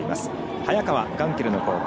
早川、ガンケルの攻防。